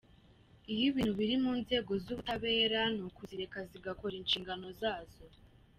Iyo ibintu biri mu nzego z’ubutabera ni ukuzireka zigakora inshingano zazo”.